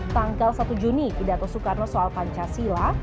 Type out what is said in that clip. tanggal satu juni pidato soekarno soal pancasila